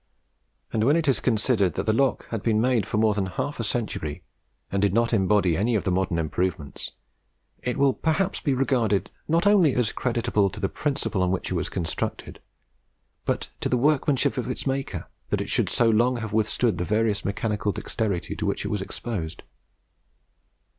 And when it is considered that the lock had been made for more than half a century, and did not embody any of the modern improvements, it will perhaps be regarded not only as creditable to the principles on which it was constructed, but to the workmanship of its maker, that it should so long have withstood the various mechanical dexterity to which it was exposed.